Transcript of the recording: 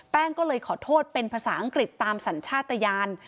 ก็เลยขอโทษเป็นภาษาอังกฤษตามสัญชาติยาน